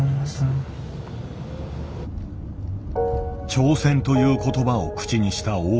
「挑戦」という言葉を口にした大迫。